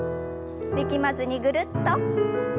力まずにぐるっと。